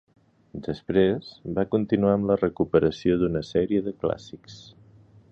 Després, va continuar amb la recuperació d'una sèrie de clàssics.